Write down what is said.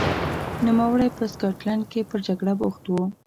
نوموړی په سکاټلند کې پر جګړه بوخت و.